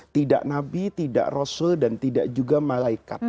tidak nabi tidak rasul dan tidak juga malaikat